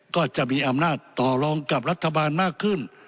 ก็จะมีอำนาจต่อรองกับรัฐบาลมากขึ้น